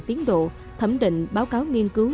tiến độ thẩm định báo cáo nghiên cứu